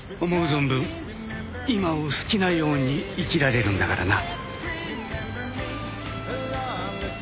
存分今を好きなように生きられるんだからな。